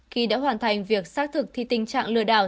khi đã hoàn thành việc xác thực thì tình trạng lừa đảo